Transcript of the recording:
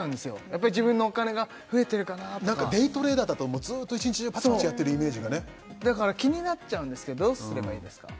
やっぱり自分のお金が増えてるかな？とか何かデイトレーダーだともうずーっと一日中パチパチやってるイメージがねだから気になっちゃうんですけどどうすればいいですか？